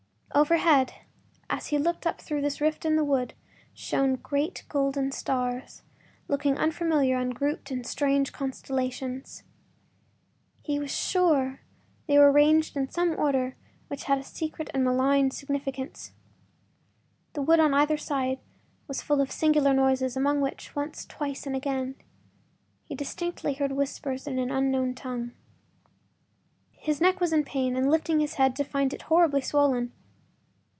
Overhead, as he looked up through this rift in the wood, shone great golden stars looking unfamiliar and grouped in strange constellations. He was sure they were arranged in some order which had a secret and malign significance. The wood on either side was full of singular noises, among which—once, twice, and again—he distinctly heard whispers in an unknown tongue. His neck was in pain and lifting his hand to it found it horribly swollen.